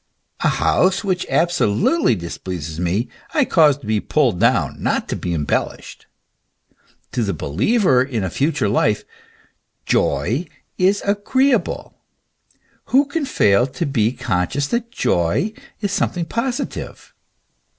A house which abso lutely displeases me I cause to be pulled down, not to be embellished. To the believer in a future life joy is agreeable who can fail to be conscious that joy is something positive?